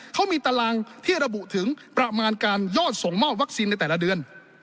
เขามีตารางที่ระบุถึงประมาณการยอดส่งมอบวัคซีนในแต่ละเดือน